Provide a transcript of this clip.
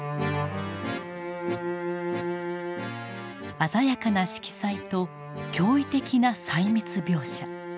鮮やかな色彩と驚異的な細密描写。